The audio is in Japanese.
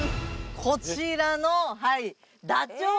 こちらの。